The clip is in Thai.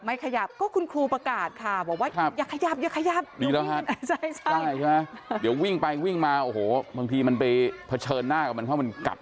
ไม่ขยับก็คุณครูประกาศค่ะบอกว่าอย่าขยับอย่าขยับ